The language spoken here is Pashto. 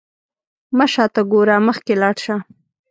مه شاته ګوره، مخکې لاړ شه.